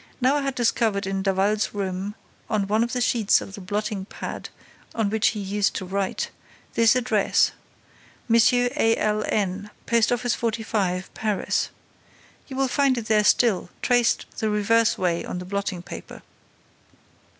Now I had discovered in Daval's room, on one of the sheets of the blotting pad on which he used to write, this address: 'Monsieur A.L.N., Post office 45, Paris.' You will find it there still, traced the reverse way on the blotting paper.